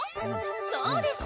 そうです！